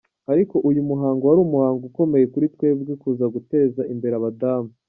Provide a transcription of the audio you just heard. ariko uyu muhango wari umuhango ukomeye kuri twebwe kuza guteza imbere abadamu.